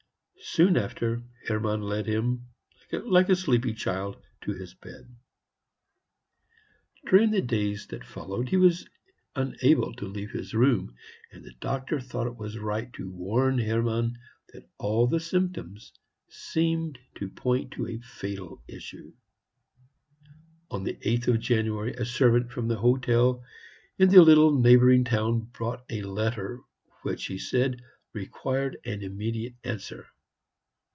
Soon after, Hermann led him, like a sleepy child, to his bed. During the days that followed, he was unable to leave his room; and the doctor thought it right to warn Hermann that all the symptoms seemed to point to a fatal issue. On the 8th of January a servant from the hotel in the little neighboring town brought a letter, which, he said, required an immediate answer.